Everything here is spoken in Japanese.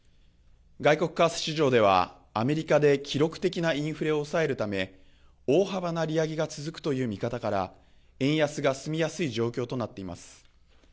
外国為替市場ではアメリカで記録的なインフレを抑えるため大幅な利上げが続くという見方から円安が進みやすい状況となっています。